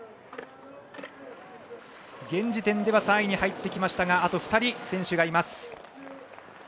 現時点では３位に入ってきましたがあと２人、選手がいます。